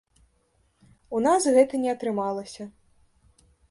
У нас гэта не атрымалася.